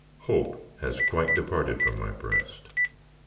Hope has quite departed from my breast.